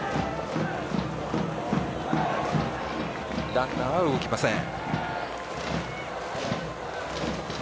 ランナーは動きません。